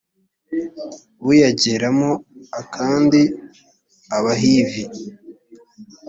uyageramo a kandi abahivi